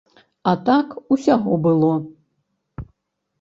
А так усяго было.